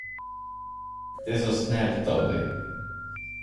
Det är så snällt av dig.